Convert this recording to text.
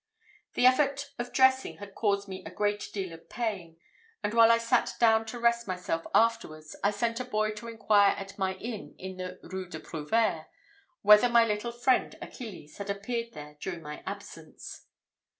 The effort of dressing had caused me a great deal of pain; and while I sat down to rest myself afterwards, I sent a boy to inquire at my inn in the Rue du Prouvaires, whether my little friend Achilles had appeared there during my absence.